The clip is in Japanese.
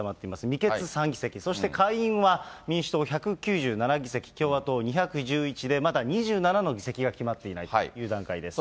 未決３議席、そして下院は民主党１９７議席、共和党２１１で、まだ２７の議席が決まっていないという段階です。